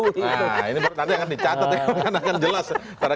nah ini tadi yang dicatat ya